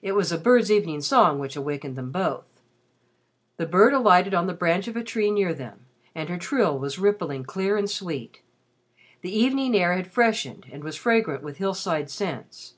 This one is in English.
It was a bird's evening song which awakened them both. The bird alighted on the branch of a tree near them and her trill was rippling clear and sweet. The evening air had freshened and was fragrant with hillside scents.